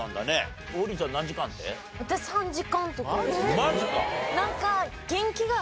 マジか。